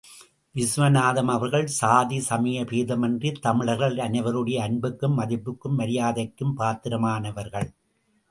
விசுவநாதம் அவர்கள் சாதி, சமய பேதமின்றி தமிழர்கள் அனைவருடைய அன்புக்கும், மதிப்புக்கும், மரியாதைக்கும் பாத்திரமானவர்கள்.